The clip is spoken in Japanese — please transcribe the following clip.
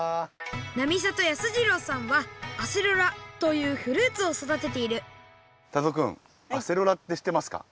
並里康次郎さんはアセロラというフルーツをそだてているタイゾウくんアセロラってしってますか？